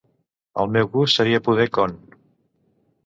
El meu gust seria poder con